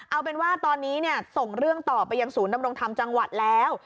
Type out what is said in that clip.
เอาเป็นว่าตอนนี้ส่งเรื่องต่อไปยังศูนย์ดำรงธรรมจังหวัดแล้ว